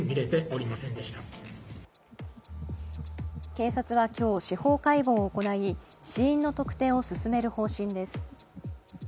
警察は今日、司法解剖を行い死因の特定を進める方針です。